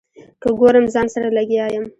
که ګورم ځان سره لګیا یم.